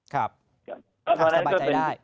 ครับพอสบายใจได้